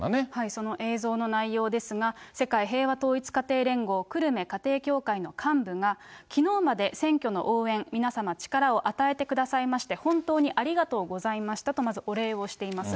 その映像の内容ですが、世界平和統一家庭連合久留米家庭教会の幹部がきのうまで選挙の応援、皆様、力を与えてくださいまして、本当にありがとうございましたとまずお礼をしています。